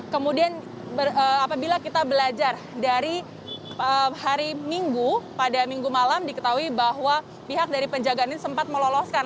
kemudian apabila kita belajar dari hari minggu pada minggu malam diketahui bahwa pihak dari penjagaan ini sempat meloloskan